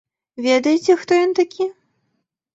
Ведаеце, хто ён такі?